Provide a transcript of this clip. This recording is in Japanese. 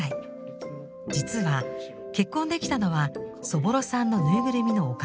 実は結婚できたのはそぼろさんのぬいぐるみのおかげなんだとか。